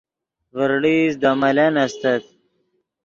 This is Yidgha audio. ڤرڑئیست دے ملن استت